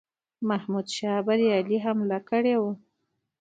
محمودشاه بریالی حمله کړې وه.